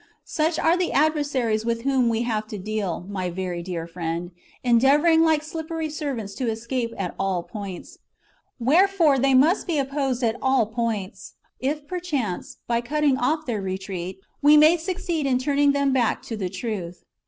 Such are the adversaries with whom we have to deal, my very dear friend, endeavouring like slippery serpents to escape at all points. Wherefore they must be opposed at all points, if perchance, by cutting off their retreat, we may succeed in turning them back to the truth.